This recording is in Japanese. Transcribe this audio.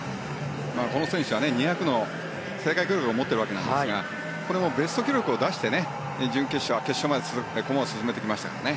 この選手は２００の世界記録を持っているわけですがこれもベスト記録を出して決勝まで駒を進めてきましたからね。